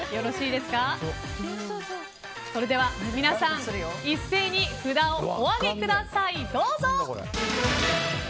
それでは、皆さん一斉に札をお上げください。